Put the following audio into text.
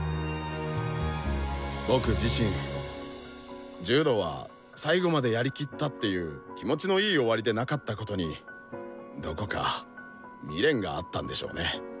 僕自身柔道は「最後までやりきった！」っていう気持ちのいい終わりでなかったことにどこか未練があったんでしょうね。